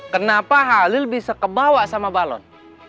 kenapa halil bisa kebawa sama balon